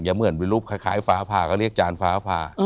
เหมือนเป็นรูปคล้ายฟ้าผ่าก็เรียกจานฟ้าผ่า